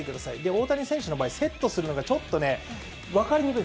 大谷選手の場合、セットするのがちょっとね、分かりにくい。